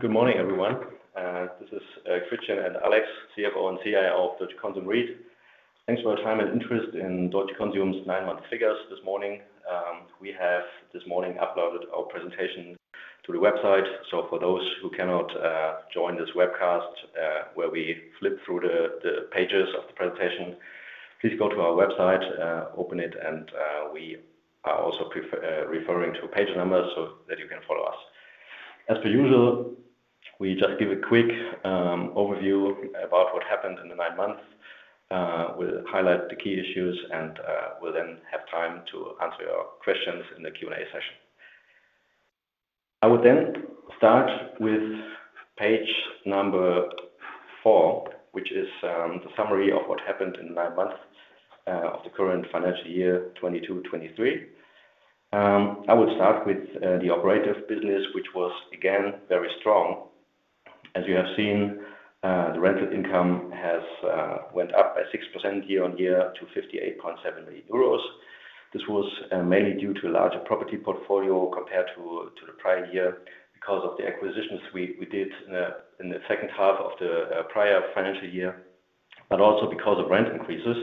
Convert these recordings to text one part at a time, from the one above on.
Good morning, everyone. This is Christian and Alex, CFO and CIO of Deutsche Konsum REIT-AG. Thanks for your time and interest in Deutsche Konsum's Nine month figures this morning. We have this morning uploaded our presentation to the website. For those who cannot join this webcast, where we flip through the pages of the presentation, please go to our website, open it, and we are also referring to page numbers so that you can follow us. As per usual, we just give a quick overview about what happened in the nine months. We'll highlight the key issues, and we'll then have time to answer your questions in the Q&A session. I will start with page number four, which is the summary of what happened in the nine months of the current financial year, 2022, 2023. I would start with the operative business, which was again, very strong. As you have seen, the rental income has went up by 6% year-on-year to 58.7 million euros. This was mainly due to a larger property portfolio compared to the prior year because of the acquisitions we did in the second half of the prior financial year, but also because of rent increases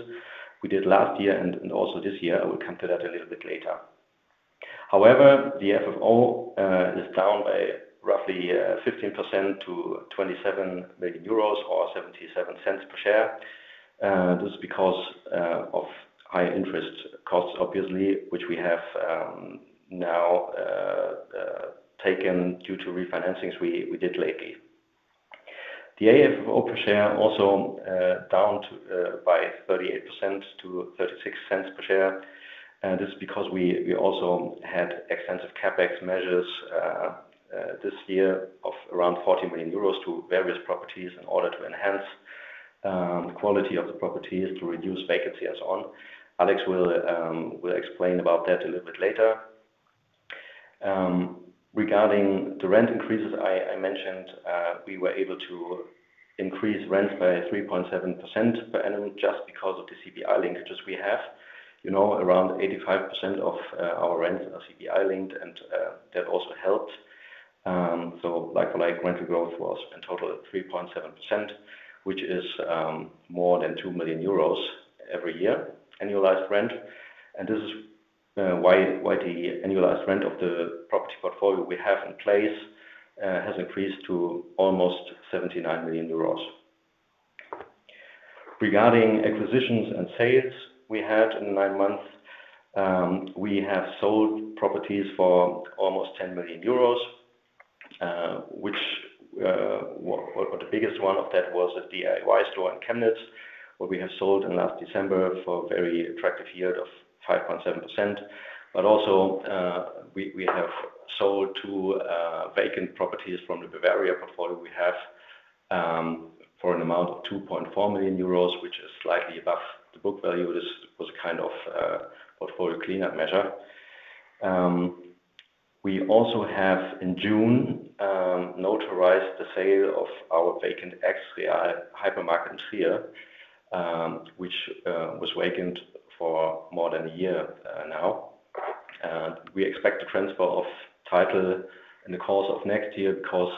we did last year and also this year. I will come to that a little bit later. However, the FFO is down by roughly 15% to 27 million euros or 0.77 per share. This is because of high interest costs, obviously, which we have now taken due to refinancings we did lately. The AFFO per share also down by 38% to 0.36 per share. This is because we also had extensive CapEx measures this year of around 40 million euros to various properties in order to enhance the quality of the properties, to reduce vacancy and so on. Alex will explain about that a little bit later. Regarding the rent increases I mentioned, we were able to increase rents by 3.7% per annum just because of the CPI linkages we have. You know, around 85% of our rents are CPI linked, and that also helped. Like-for-like rental growth was in total at 3.7%, which is more than 2 million euros every year, annualized rent. This is why the annualized rent of the property portfolio we have in place has increased to almost 79 million euros. Regarding acquisitions and sales we had in the nine months, we have sold properties for almost 10 million euros, which the biggest one of that was a DIY store in Chemnitz, what we have sold in last December for a very attractive yield of 5.7%. Also, we have sold two vacant properties from the Bavaria portfolio we have for an amount of 2.4 million euros, which is slightly above the book value. This was a kind of portfolio cleanup measure. We also have, in June, notarized the sale of our vacant ex-Real hypermarket in Trier, which was vacant for more than a year now. We expect the transfer of title in the course of next year because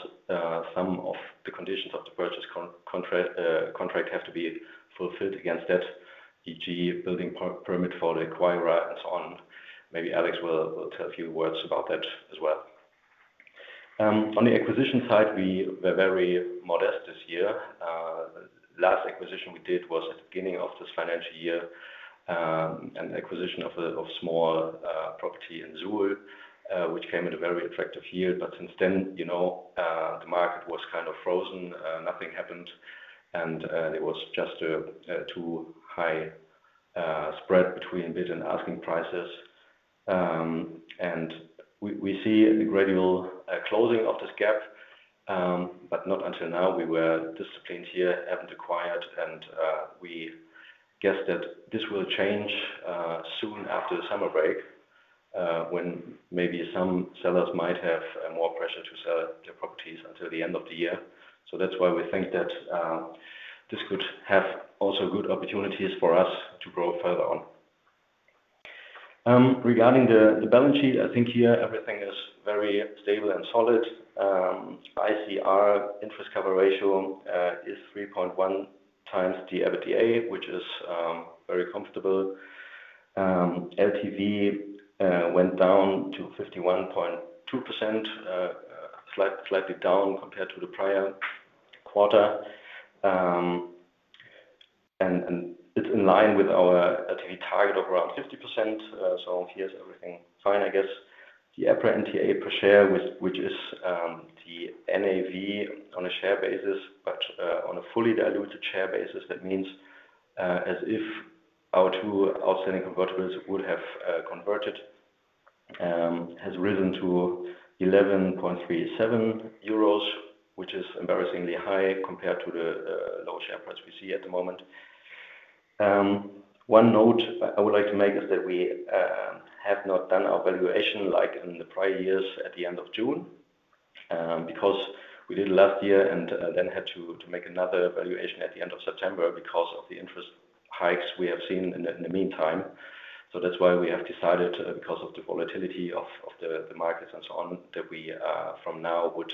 some of the conditions of the purchase contract have to be fulfilled against that, e.g., building permit for the acquirer and so on. Maybe Alex will tell a few words about that as well. On the acquisition side, we were very modest this year. Last acquisition we did was at the beginning of this financial year, an acquisition of a small property in Zurich, which came at a very attractive yield. Since then, you know, the market was kind of frozen, nothing happened, and there was just a too high spread between bid and asking prices. We, we see the gradual closing of this gap, but not until now. We were disciplined here, haven't acquired, and we guess that this will change soon after the summer break, when maybe some sellers might have more pressure to sell their properties until the end of the year. That's why we think that this could have also good opportunities for us to grow further on. Regarding the balance sheet, I think here everything is very stable and solid. ICR, interest cover ratio, is 3.1x the EBITDA, which is very comfortable. LTV went down to 51.2%, slightly down compared to the prior quarter. It's in line with our LTV target of around 50%. Here's everything fine, I guess. The EPRA NTA per share, which is the NAV on a share basis, on a fully diluted share basis, that means as if our two outstanding convertibles would have converted, has risen to 11.37 euros, which is embarrassingly high compared to the low share price we see at the moment. One note I would like to make is that we have not done our valuation like in the prior years at the end of June, because we did it last year and then had to make another valuation at the end of September because of the interest hikes we have seen in the meantime. That's why we have decided, because of the volatility of the markets and so on, that we from now would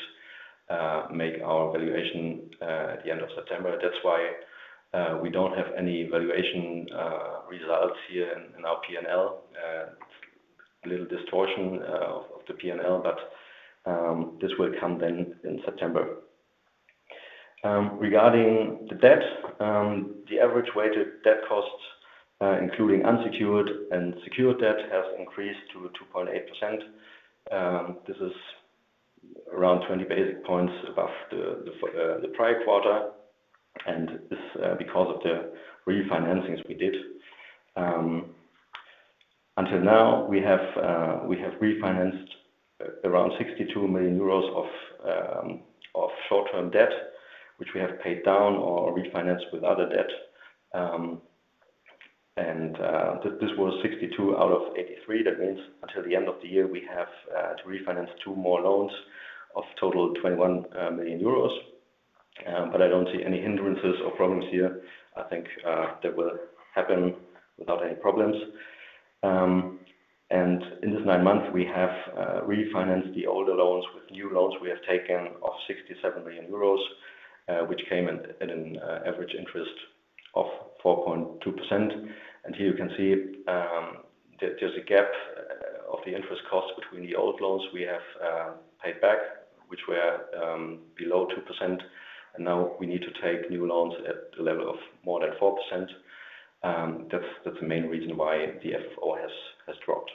make our valuation at the end of September. That's why we don't have any valuation results here in our P&L. A little distortion of the P&L, but this will come then in September. Regarding the debt, the average weighted debt costs, including unsecured and secured debt, has increased to 2.8%. This is around 20 basis points above the prior quarter, and this because of the refinancings we did. Until now, we have refinanced around 62 million euros of short-term debt, which we have paid down or refinanced with other debt. This was 62 out of 83. That means until the end of the year, we have to refinance two more loans of total 21 million euros. I don't see any hindrances or problems here. I think that will happen without any problems. In this nine months, we have refinanced the older loans with new loans we have taken of 67 million euros, which came in, in an average interest of 4.2%. Here you can see that there's a gap of the interest cost between the old loans we have paid back, which were below 2%, and now we need to take new loans at the level of more than 4%. That's, that's the main reason why the FFO has, has dropped.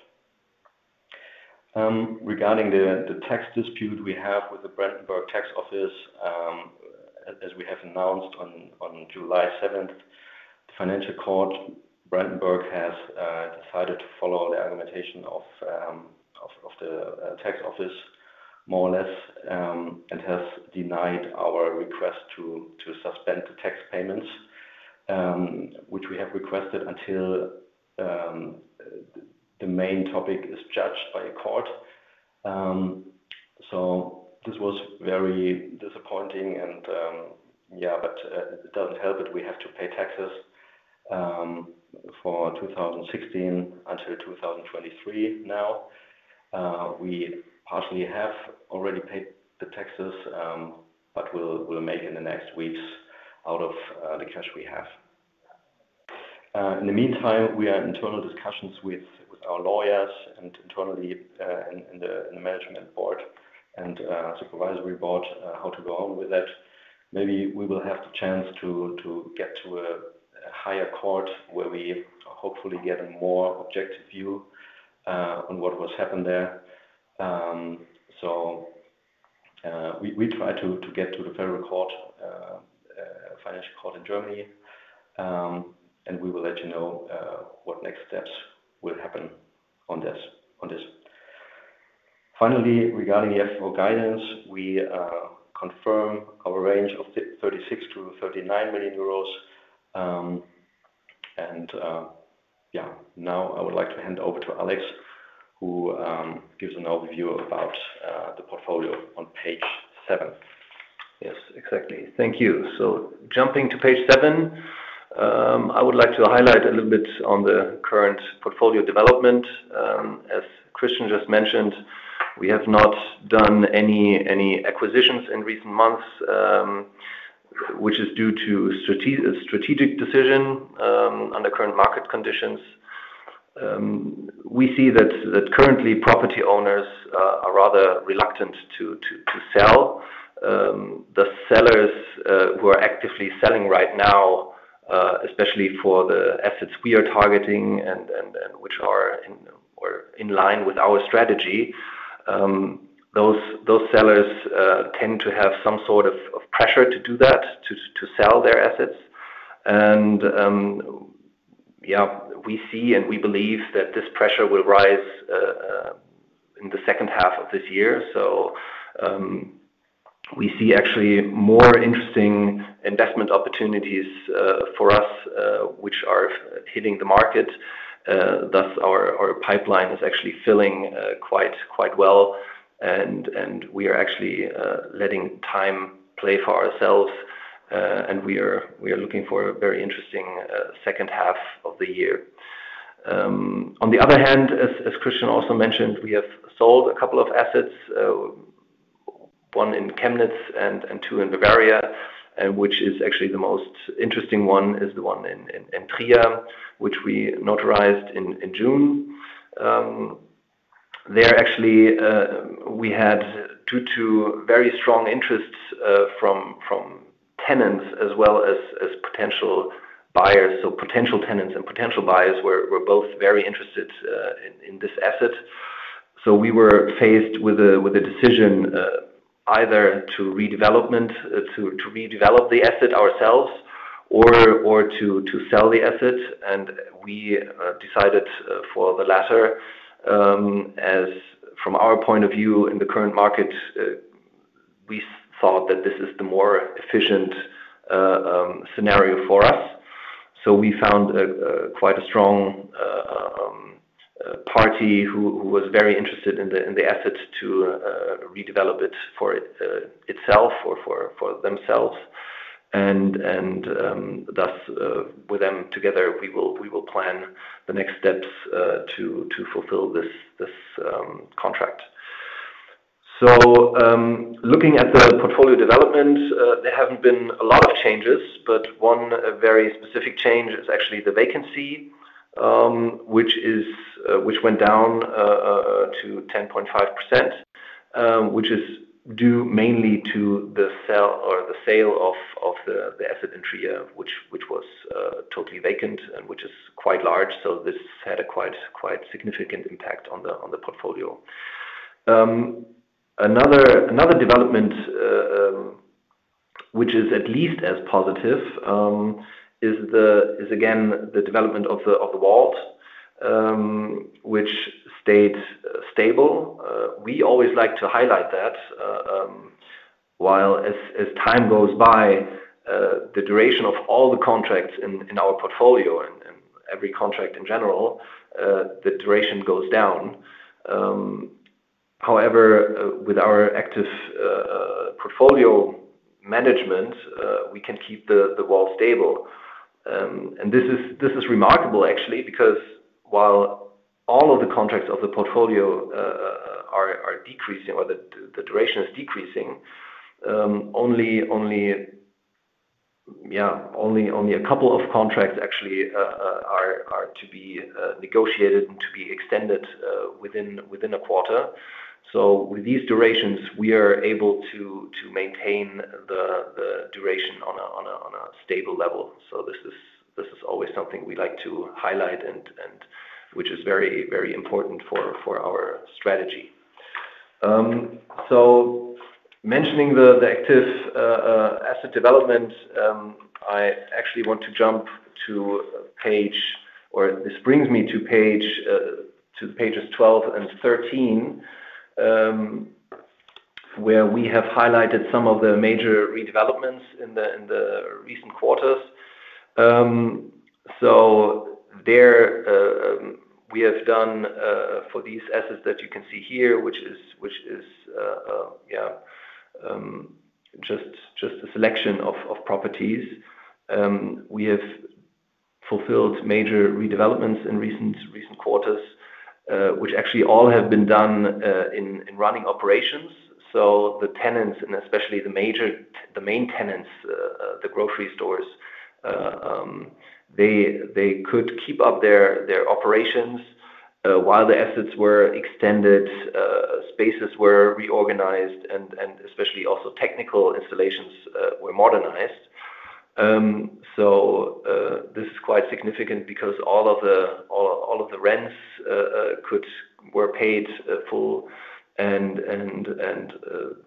Regarding the tax dispute we have with the Brandenburg Tax Office, as we have announced on July 7th, the Financial Court, Brandenburg has decided to follow the argumentation of of the tax office more or less, and has denied our request to suspend the tax payments, which we have requested until the main topic is judged by a court. This was very disappointing and yeah, it doesn't help it. We have to pay taxes for 2016 until 2023 now. We partially have already paid the taxes, but we'll, we'll make in the next weeks out of the cash we have. In the meantime, we are in total discussions with, with our lawyers and internally in, in the, in the management board and supervisory board how to go on with that. Maybe we will have the chance to, to get to a, a higher court, where we hopefully get a more objective view on what was happened there. We, we try to, to get to the Federal Court, Financial Court in Germany, and we will let you know what next steps will happen on this, on this. Finally, regarding the FFO guidance, we confirm our range of 36 million to 39 million. Yeah. Now I would like to hand over to Alex, who gives an overview about the portfolio on page seven Yes, exactly. Thank you. Jumping to page seven, I would like to highlight a little bit on the current portfolio development. As Christian just mentioned, we have not done any, any acquisitions in recent months, which is due to a strategic decision under current market conditions. We see that, that currently, property owners are rather reluctant to, to, to sell. The sellers who are actively selling right now, especially for the assets we are targeting and, and, and which are in, or in line with our strategy, those, those sellers tend to have some sort of, of pressure to do that, to, to sell their assets. Yeah, we see and we believe that this pressure will rise in the second half of this year. We see actually more interesting investment opportunities for us, which are hitting the market. Thus, our pipeline is actually filling quite, quite well, and we are actually letting time play for ourselves. And we are looking for a very interesting second half of the year. On the other hand, as Christian also mentioned, we have sold a couple of assets, one in Chemnitz and two in Bavaria, which is actually the most interesting one is the one in Trier, which we notarized in June. There, actually, we had due to very strong interests from tenants as well as potential buyers. So potential tenants and potential buyers were both very interested in this asset. We were faced with a, with a decision, either to redevelop the asset ourselves or to sell the asset, and we decided for the latter. As from our point of view in the current market, we thought that this is the more efficient scenario for us. We found a quite a strong party who was very interested in the asset to redevelop it for itself or for themselves. Thus, with them together, we will plan the next steps to fulfill this contract. Looking at the portfolio development, there haven't been a lot of changes, but one very specific change is actually the vacancy, which went down to 10.5%, which is due mainly to the sell or the sale of the asset in Trier, which was totally vacant and which is quite large. This had a quite, quite significant impact on the portfolio. Another, another development which is at least as positive, is again, the development of the WAULT, which stayed stable. We always like to highlight that while as time goes by, the duration of all the contracts in our portfolio and every contract in general, the duration goes down. However, with our active portfolio management, we can keep the WAULT stable. This is, this is remarkable actually, because while all of the contracts of the portfolio are, are decreasing or the, the duration is decreasing, only, only yeah, only, only a couple of contracts actually are, are to be negotiated and to be extended within, within a quarter. With these durations, we are able to, to maintain the, the duration on a, on a, on a stable level. This is, this is always something we like to highlight and, and which is very, very important for, for our strategy. Mentioning the active asset development, I actually want to jump to page, This brings me to page to pages 12 and 13, where we have highlighted some of the major redevelopments in the recent quarters. There we have done for these assets that you can see here, which is a selection of properties. We have fulfilled major redevelopments in recent quarters, which actually all have been done in running operations. The tenants, and especially the major, the main tenants, the grocery stores, they could keep up their operations while the assets were extended, spaces were reorganized, and especially also technical installations were modernized. This is quite significant because all of the rents were paid full, and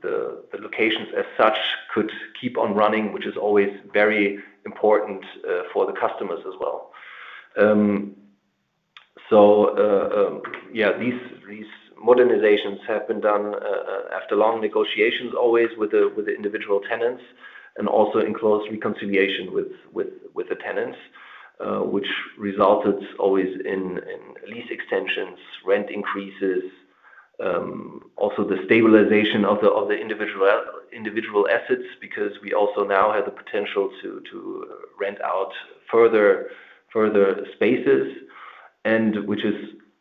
the locations as such, could keep on running, which is always very important for the customers as well. These modernizations have been done after long negotiations, always with the individual tenants, and also in close reconciliation with the tenants, which resulted always in lease extensions, rent increases, also the stabilization of the individual assets, because we also now have the potential to rent out further spaces. Which is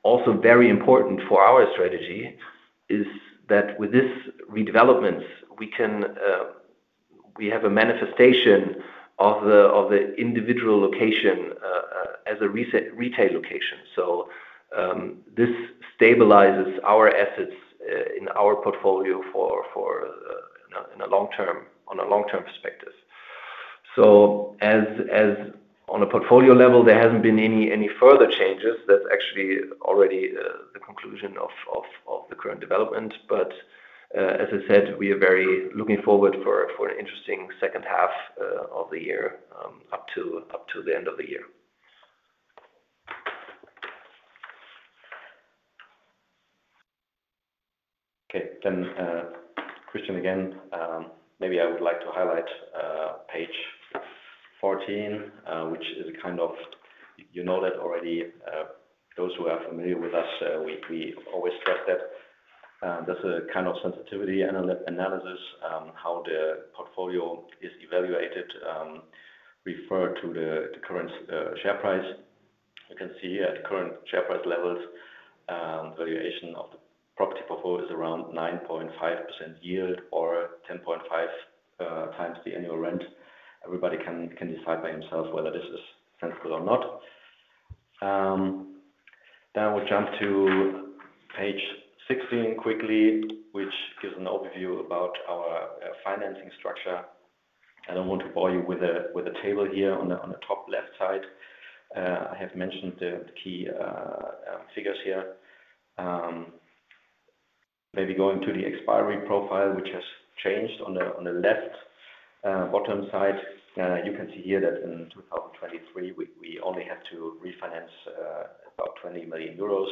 also very important for our strategy, is that with this redevelopments, we can have a manifestation of the individual location as a retail location. This stabilizes our assets in our portfolio for, in a long term, on a long-term perspective. As, as on a portfolio level, there hasn't been any, any further changes. That's actually already the conclusion of the current development. As I said, we are very looking forward for an interesting second half of the year up to the end of the year. Christian again. Maybe I would like to highlight page 14, which is a kind of, you know that already, those who are familiar with us, we, we always stress that there's a kind of sensitivity analysis how the portfolio is evaluated referred to the, the current share price. You can see at current share price levels, valuation of the property portfolio is around 9.5% yield or 10.5x the annual rent. Everybody can, can decide by himself whether this is sensible or not. I will jump to page 16 quickly, which gives an overview about our financing structure. I don't want to bore you with a, with a table here on the, on the top left side. I have mentioned the key figures here. Maybe going to the expiry profile, which has changed on the left bottom side. You can see here that in 2023, we only have to refinance about 20 million euros.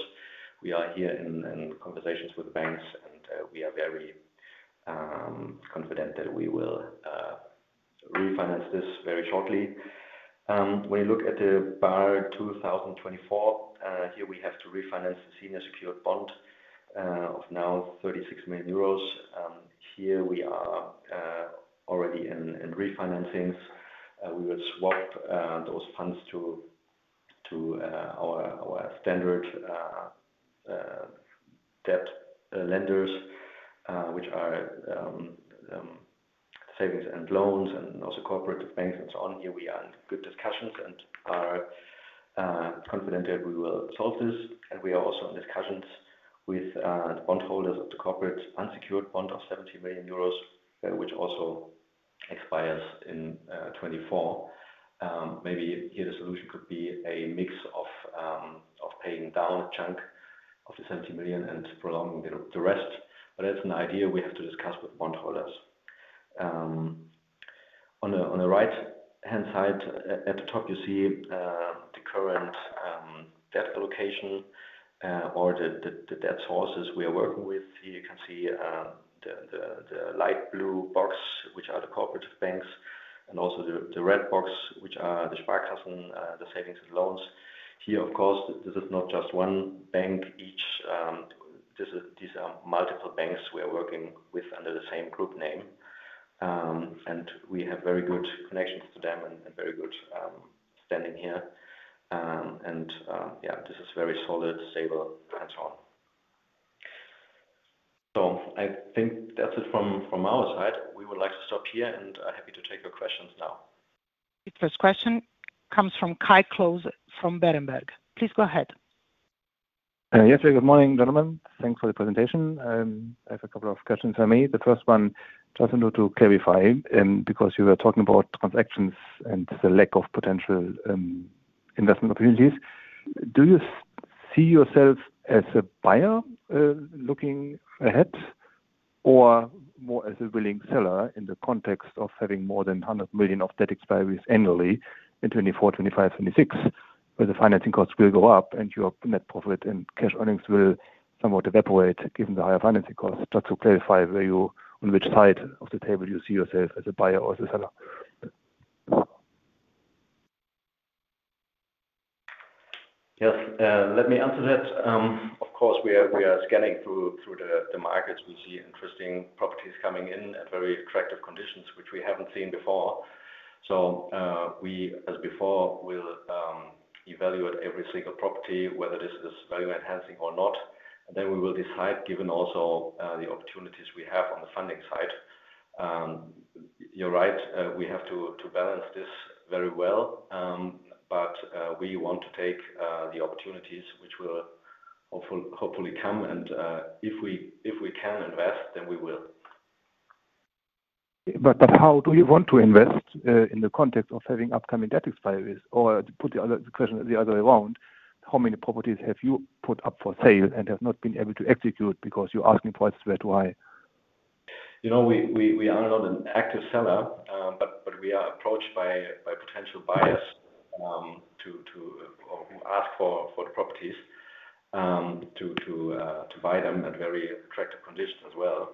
We are here in conversations with the banks, and we are very confident that we will refinance this very shortly. When you look at the bar 2024, here we have to refinance the senior secured bond of now 36 million euros. Here we are already in refinancings. We will swap those funds to to our our standard debt lenders, which are savings and loans and also cooperative banks and so on. Here we are in good discussions and are confident that we will solve this. We are also in discussions with the bondholders of the corporate unsecured bond of 70 million euros, which also expires in 2024. Maybe here the solution could be a mix of paying down a chunk of the 70 million and prolonging the rest. That's an idea we have to discuss with bondholders. On the, on the right-hand side, at, at the top, you see the current debt allocation or the, the, the debt sources we are working with. Here you can see the, the, the light blue box, which are the cooperative banks, and also the, the red box, which are the Sparkassen, the savings and loans. Here, of course, this is not just one bank each, these are multiple banks we are working with under the same group name. We have very good connections to them and, and very good standing here. Yeah, this is very solid, stable, and so on. I think that's it from, from our side. We would like to stop here, and I'm happy to take your questions now. The first question comes from Kai Klose from Berenberg. Please go ahead. Yes, good morning, gentlemen. Thanks for the presentation. I have a couple of questions for me. The first one, just to clarify, and because you were talking about transactions and the lack of potential investment opportunities, do you see yourself as a buyer looking ahead, or more as a willing seller in the context of having more than 100 million of debt expiries annually in 2024, 2025, 2026, where the financing costs will go up and your net profit and cash earnings will somewhat evaporate given the higher financing costs? Just to clarify where on which side of the table you see yourself, as a buyer or as a seller? Yes, let me answer that. Of course, we are, we are scanning through, through the, the markets. We see interesting properties coming in at very attractive conditions, which we haven't seen before. We, as before, will evaluate every single property, whether this is value-enhancing or not. Then we will decide, given also, the opportunities we have on the funding side. You're right, we have to, to balance this very well, we want to take the opportunities which will hopefully come, and if we, if we can invest, then we will. But how do you want to invest in the context of having upcoming debt expiries? Or to put the other question the other way around, how many properties have you put up for sale and have not been able to execute because your asking price is way too high? You know, we, we, we are not an active seller, but, but we are approached by, by potential buyers, to, to, or who ask for, for the properties, to, to, to buy them at very attractive conditions as well.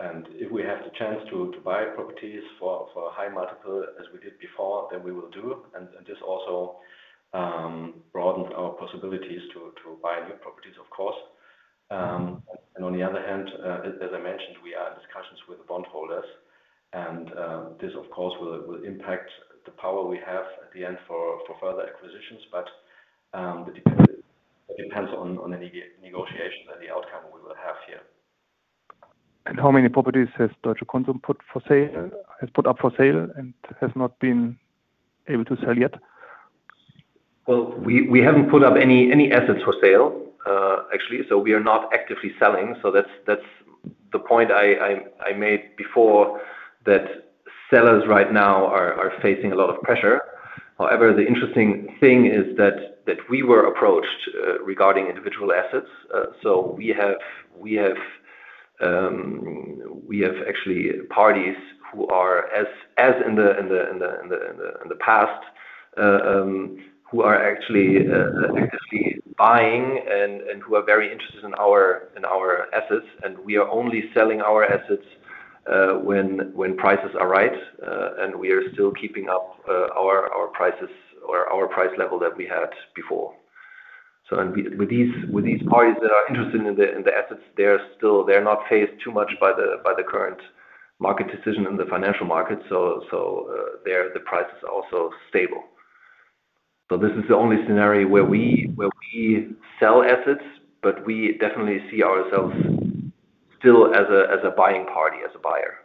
If we have the chance to, to buy properties for, for a high multiple as we did before, then we will do. This also, broadens our possibilities to, to buy new properties, of course. On the other hand, as, as I mentioned, we are in discussions with the bondholders, and, this, of course, will, will impact the power we have at the end for, for further acquisitions. It depends, it depends on, on the negotiations and the outcome we will have here. How many properties has Deutsche Konsum put up for sale and has not been able to sell yet? We haven't put up any, any assets for sale, actually, so we are not actively selling. That's, that's the point I made before, that sellers right now are, are facing a lot of pressure. However, the interesting thing is that, that we were approached regarding individual assets. So we have actually parties who are as in the past, who are actually actively buying and, and who are very interested in our, in our assets, we are only selling our assets when, when prices are right. We are still keeping up our prices or our price level that we had before. With, these parties that are interested in the assets, they're still they're not phased too much by the, by the current market decision in the financial market. There the price is also stable. This is the only scenario where we sell assets, but we definitely see ourselves still as a, as a buying party, as a buyer.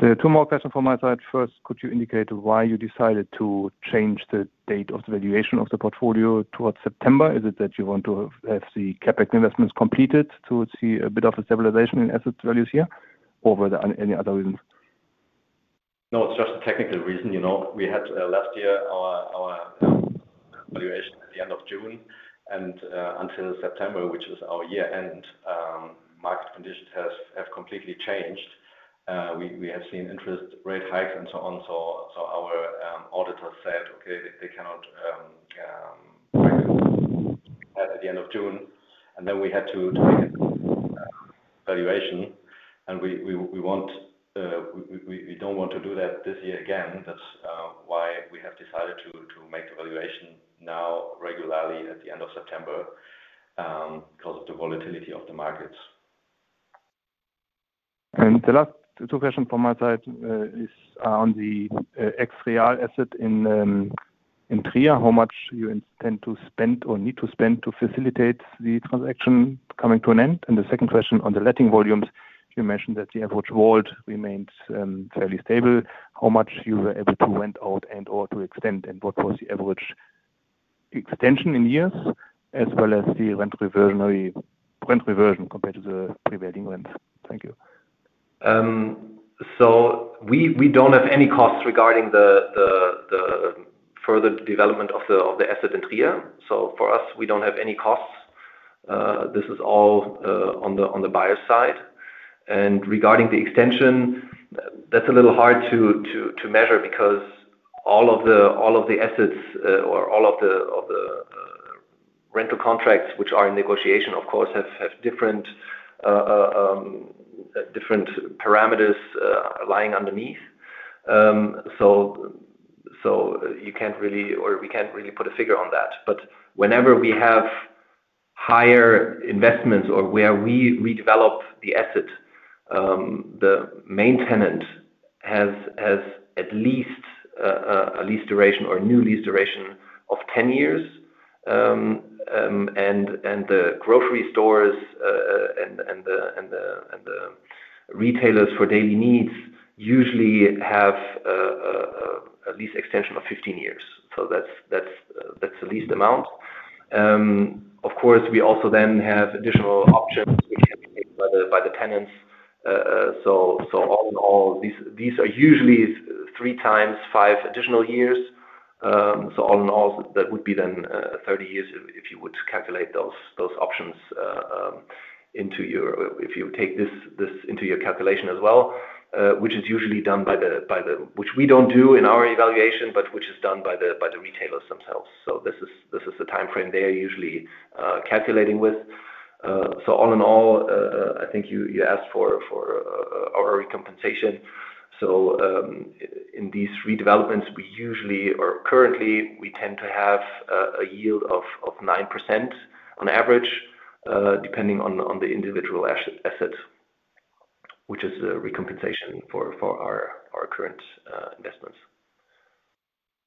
There are two more questions from my side. First, could you indicate why you decided to change the date of the valuation of the portfolio towards September? Is it that you want to have the CapEx investments completed to see a bit of a stabilization in asset values here, or were there any other reasons? No, it's just a technical reason. You know, we had, last year, our, our, valuation at the end of June, and, until September, which was our year-end, market conditions have completely changed. We, we have seen interest rate hikes and so on. Our auditors said, okay, they cannot, reconcile. and then we had to do again valuation, and we want, we don't want to do that this year again. That's why we have decided to make the valuation now regularly at the end of September, because of the volatility of the markets. The last 2 questions from my side is on the ex-Real asset in Trier. How much you intend to spend or need to spend to facilitate the transaction coming to an end? The second question on the letting volumes, you mentioned that the average WAULT remains fairly stable. How much you were able to rent out and or to extend, and what was the average extension in years, as well as the rent reversionary, rent reversion compared to the prevailing rent? Thank you. We don't have any costs regarding the further development of the asset in Trier. For us, we don't have any costs. This is all on the buyer side. Regarding the extension, that's a little hard to measure because all of the assets, or all of the rental contracts, which are in negotiation, of course, have different different parameters lying underneath. So you can't really, or we can't really put a figure on that. Whenever we have higher investments or where we redevelop the asset, the main tenant has, has at least a lease duration or a new lease duration of 10 years. The grocery stores and the retailers for daily needs usually have a lease extension of 15 years. That's, that's the least amount. Of course, we also then have additional options which can be made by the tenants. All in all, these are usually 3x five additional years. All in all, that would be then 30 years if, if you were to calculate those, those options into your if you take this, this into your calculation as well, which is usually done by the retailers themselves. This is the time frame they are usually calculating with. All in all, I think you, you asked for, for our recompensation. In these redevelopments, we usually or currently, we tend to have a yield of 9% on average, depending on the individual as- assets, which is a recompensation for our current investments.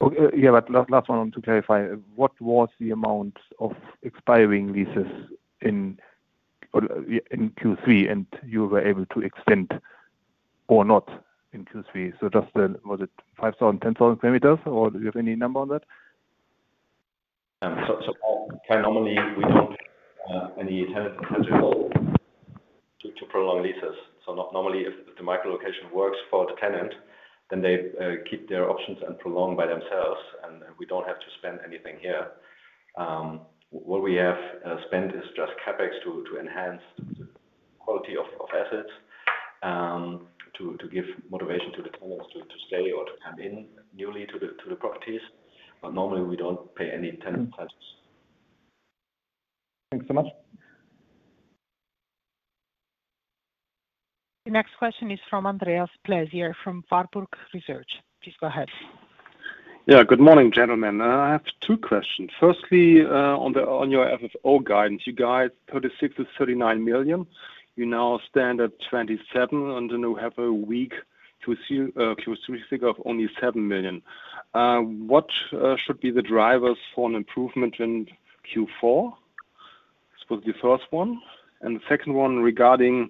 Okay. Yeah, la- last one to clarify, what was the amount of expiring leases in or, in Q3, and you were able to extend or not in Q3? Just the, was it 5,000, 10,000 parameters, or do you have any number on that? Normally, we don't any tenant potential to prolong leases. Not normally, if the micro location works for the tenant, then they keep their options and prolong by themselves, and we don't have to spend anything here. What we have spent is just CapEx to enhance the quality of assets, to give motivation to the tenants to stay or to come in newly to the properties. Normally, we don't pay any tenant costs. Thanks so much. The next question is from Andreas Pläsier, from Warburg Research. Please go ahead. Yeah, good morning, gentlemen. I have two questions. Firstly, on the, on your FFO guidance, you guys, 36 million to 39 million. You now stand at 27 million, and then you have a week to see Q3 figure of only 7 million. What should be the drivers for an improvement in Q4? This was the first one. The second one, regarding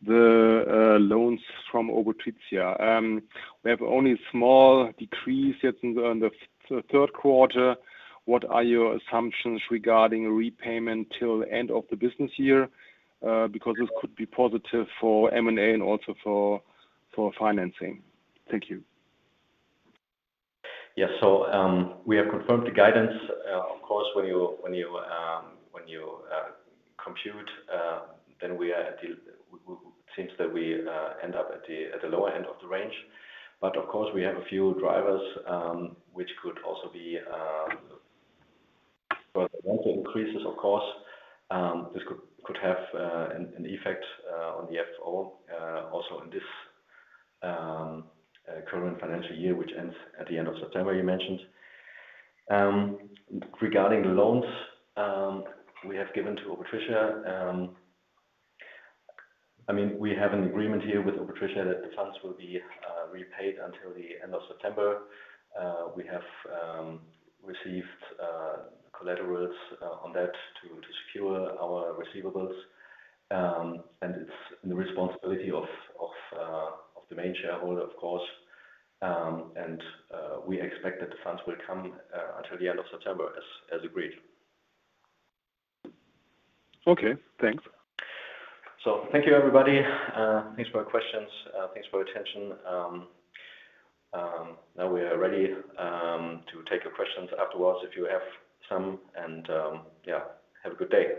the loans from Obotritia. We have only a small decrease yet in the, in the Q3. What are your assumptions regarding repayment till end of the business year? Because this could be positive for M&A and also for, for financing. Thank you. Yeah. We have confirmed the guidance. Of course, when you, when you, when you compute, then we are at the seems that we end up at the, at the lower end of the range. Of course, we have a few drivers, which could also be further increases, of course, this could, could have an effect on the FFO also in this current financial year, which ends at the end of September, you mentioned. Regarding the loans, we have given to Obotritia, I mean, we have an agreement here with Obotritia that the funds will be repaid until the end of September. We have received collaterals on that to, to secure our receivables. It's the responsibility of the main shareholder, of course. We expect that the funds will come until the end of September, as, as agreed. Okay, thanks. Thank you, everybody. Thanks for your questions. Thanks for your attention. Now we are ready to take your questions afterwards if you have some, and have a good day.